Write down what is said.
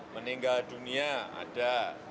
meninggal dunia ada